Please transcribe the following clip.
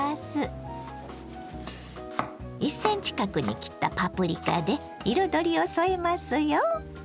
１ｃｍ角に切ったパプリカで彩りを添えますよ。